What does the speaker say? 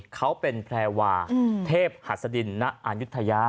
เขาเป็นแพรวาเทพฆาตสดินนะอานยุธยา